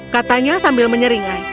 katanya sambil menyeringai